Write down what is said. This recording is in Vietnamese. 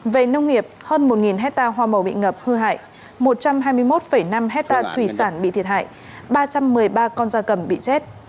về nông nghiệp hơn một hectare hoa màu bị ngập hư hại một trăm hai mươi một năm hectare thủy sản bị thiệt hại ba trăm một mươi ba con da cầm bị chết